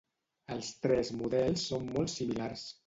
Els tres models són molt similars.